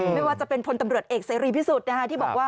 ไม่ว่าจะเป็นคนตำรวจเอกซีรีย์ที่บอกว่า